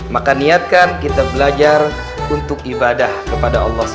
maka niatkan kita belajar untuk ibadah kepada allah swt